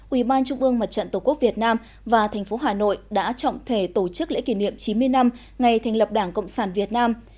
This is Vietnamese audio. ubnd tổ quốc việt nam và tp hà nội đã trọng thể tổ chức lễ kỷ niệm chín mươi năm ngày thành lập đảng cộng sản việt nam